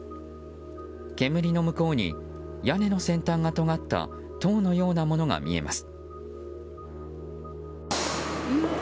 煙の向こうに屋根の先端がとがった塔のようなものが見えます。